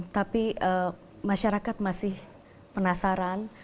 tapi masyarakat masih penasaran